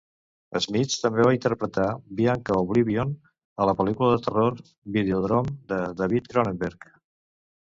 Smits també va interpretar Bianca O'Blivion a la pel·lícula de terror "Videodrome" de David Cronenberg.